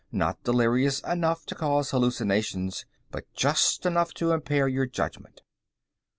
Not delirious enough to cause hallucinations, but just enough to impair your judgment."